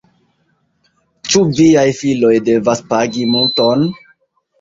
Ĉu viaj filoj devas pagi multon?